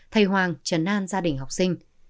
thầy hoàng chấn an gia đình học sinh